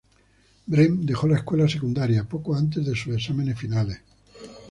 Brem dejó la escuela secundaria, poco antes de sus exámenes finales.